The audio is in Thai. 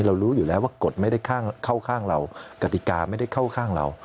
รู้อยู่แล้วว่ากฎไม่ได้เข้าข้างเรากติกาไม่ได้เข้าข้างเรา